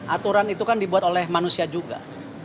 aturan itu kan dibuat oleh manusia juga